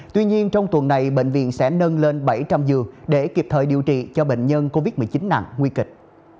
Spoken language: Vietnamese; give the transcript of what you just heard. tuy nhiên trong tuần này bệnh viện sẽ nâng lên bảy trăm linh giường để kịp thời điều trị cho bệnh nhân covid một mươi chín nặng nguy kịch